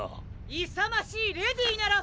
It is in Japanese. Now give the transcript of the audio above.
・いさましいレディーなら！